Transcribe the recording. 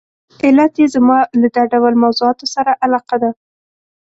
علت یې زما له دا ډول موضوعاتو سره علاقه ده.